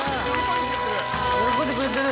喜んでくれてる。